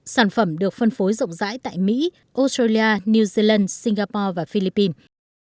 sản phẩm được phân phối rộng rãi tại mỹ australia new zealand singapore và philippines